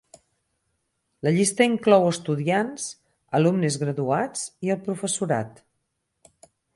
La llista inclou estudiants, alumnes graduats i el professorat.